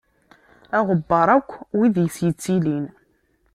Iɣebbeṛ akk wid i s-yettilin.